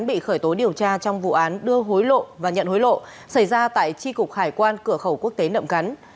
bị khởi tố điều tra trong vụ án đưa hối lộ và nhận hối lộ xảy ra tại tri cục hải quan cửa khẩu quốc tế nậm cắn